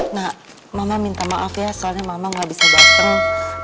nah mama minta maaf ya soalnya mama gak bisa datang